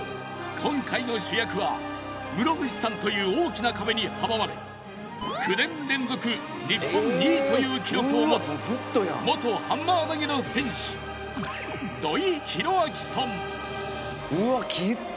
今回の主役は室伏さんという大きな壁に阻まれ９年連続日本２位という記録を持つ元ハンマー投げの選手うわきっつ。